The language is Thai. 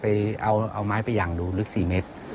ไปเอาไม้ไปอย่างดูลึก๔เมตร